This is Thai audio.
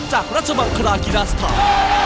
จากรัชบังค์รากิรัสตา